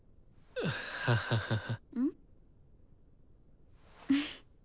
ハハハハ。